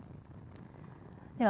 では